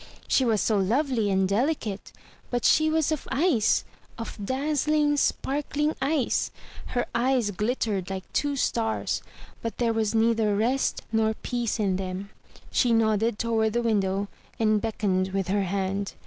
She was so lovely and deli cate, but she was of ice, of dazzling, sparkling ice; her eyes glit tered like two stars; but there was neither rest nor peace in them. She nodded toward the window, and beckoned with her hand.